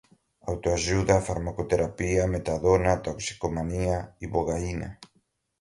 autoajuda, farmacoterapia, metadona, toxicomania, ibogaína